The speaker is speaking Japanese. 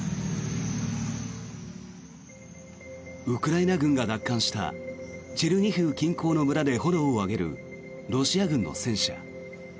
ウクライナ軍が奪還したチェルニヒウ近郊の村で炎を上げるロシア軍の戦車。